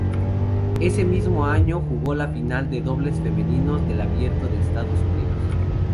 Ese mismo año jugó la final de dobles femeninos del Abierto de Estados Unidos.